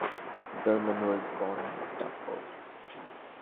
Gorman was born in Stafford.